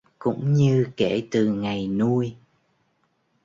cũng như kể từ ngày nuôi